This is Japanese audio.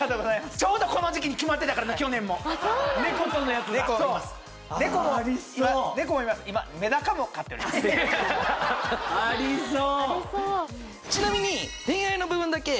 ちょうどこの時期に決まってたからな去年も猫とのやつかありそう！